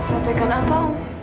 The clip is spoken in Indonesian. suat dekat apa om